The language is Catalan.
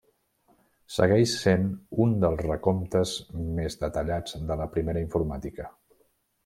Segueix sent un dels recomptes més detallats de la primera informàtica.